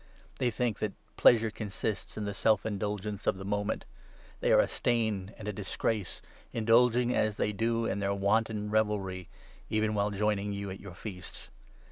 They think that pleasure consists in the self indulgence of the moment. They are a stain and a dis grace, indulging, as they do, in their wanton revelry, even while joining you at your feasts.